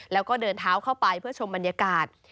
แล้วก็เดินเท้าเข้าไปเพื่อชมบรรยากาศ